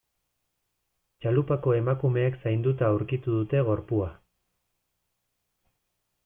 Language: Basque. Txalupako emakumeek zainduta aurkitu dute gorpua.